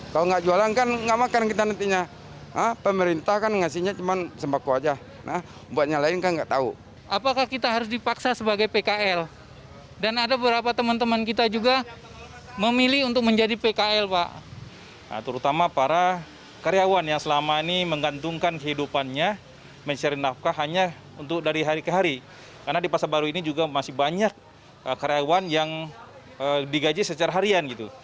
karena di pasar baru ini juga masih banyak karyawan yang digaji secara harian